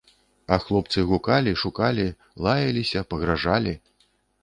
А хлопцы гукалі, шукалі, лаяліся, пагражалі.